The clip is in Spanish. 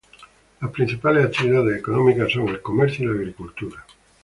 Las principales actividades económicas son el comercio y la agricultura.